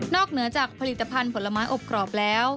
เหนือจากผลิตภัณฑ์ผลไม้อบกรอบแล้ว